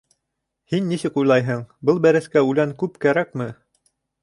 Һин нисек уйлайһың, был бәрәскә үлән күп кәрәкме?